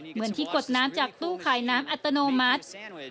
เหมือนที่กดน้ำจากตู้ขายน้ำอัตโนมัติ